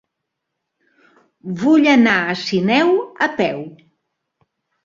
Vull anar a Sineu a peu.